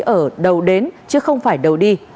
ở đâu đến chứ không phải đâu đi